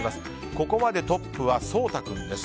ここまでトップは颯太君です。